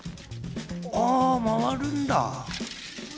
あまわるんだ。